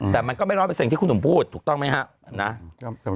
แต่มันก็ไม่ร้อยเปอร์เซ็นที่คุณหนุ่มพูดถูกต้องไหมครับ